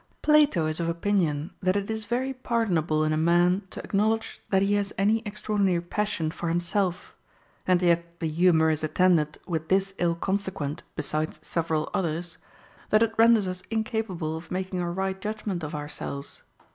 1. Plato is of opinion that it is very pardonable in a man to acknowledge that he has any extraordinary passion for himself; and yet the humor is attended with this ill consequent, besides several others, that it renders us in capable of making a right judgment of ourselves.